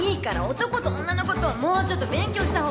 男と女のことをもうちょっと勉強したほうがいい。